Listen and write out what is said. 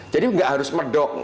jadi gak harus medok